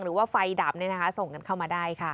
หรือว่าไฟดับส่งกันเข้ามาได้ค่ะ